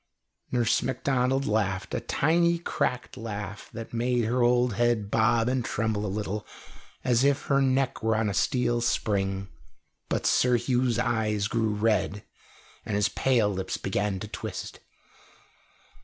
Nurse Macdonald laughed a tiny, cracked laugh, that made her old head bob and tremble a little, as if her neck were on a steel spring. But Sir Hugh's eyes grew red, and his pale lips began to twist.